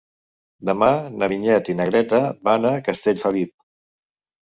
Demà na Vinyet i na Greta van a Castellfabib.